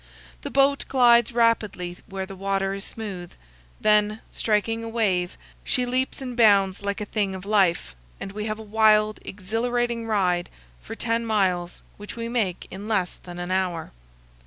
The boat glides rapidly where the water is smooth, then, striking a wave, she leaps and bounds like a thing of life, and we have a wild, exhilarating ride for ten miles, which we make in less than an hour.